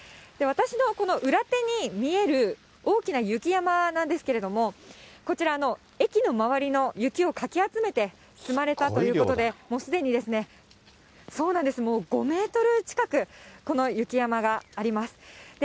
私のこの裏手に見える大きな雪山なんですけれども、こちら、駅の周りの雪をかき集めて積まれたということで、もうすでに、もう５メートル近く、この雪山があります。